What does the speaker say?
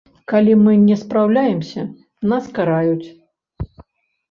Калі мы не спраўляемся, нас караюць.